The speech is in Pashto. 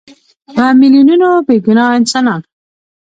په میلیونونو بېګناه انسانان.